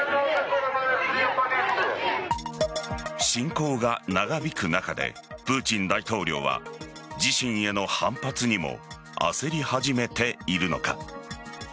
侵攻が長引く中でプーチン大統領は自身への反発にも焦り始めているのか。